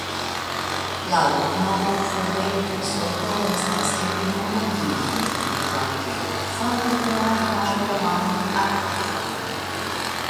La loknomo "Fuentesoto" estas etimologie komprenebla kiel Fonto de la Arbaro aŭ Arbarfonto.